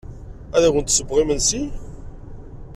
Ad awen-d-ssewweɣ imensi?